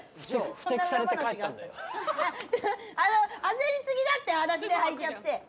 焦り過ぎだってはだしで履いちゃって。